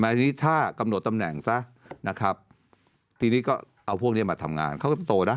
แต่ที่นี่ถ้ากำหนดตำแหน่งทีนี้ก็เอาพวกนี้มาทำงานเขาก็จะโตได้